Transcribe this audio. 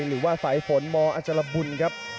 หรือว่าสายฝนมอัชรบุญครับ